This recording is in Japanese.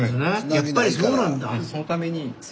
やっぱりそうなんだ。